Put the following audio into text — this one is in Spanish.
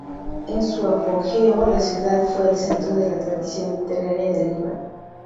En su apogeo, la ciudad fue el centro de la tradición literaria del Líbano.